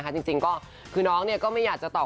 จริงก็คือน้องก็ไม่อยากจะตอบ